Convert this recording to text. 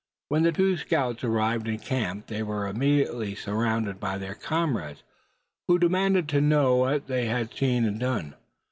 When the two scouts arrived in camp they were immediately surrounded by their comrades, who demanded to know what they had seen and done.